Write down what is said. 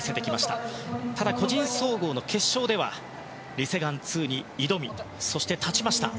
ただ、個人総合の決勝ではリ・セグァン２に挑みそして立ちました。